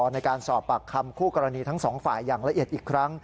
ในการสอบปากคำคู่กรณีทั้งสองฝ่ายอย่างละเอียดอีกครั้ง